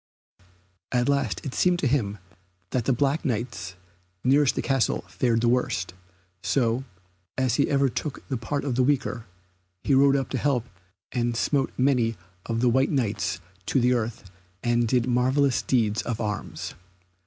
At last it seemed to him that the black Knights nearest the castle fared the worst, so, as he ever took the part of the weaker, he rode to their help and smote many of the white Knights to the earth and did marvellous deeds of arms.